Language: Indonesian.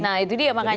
nah itu dia makanya